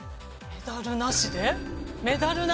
メダルなしで？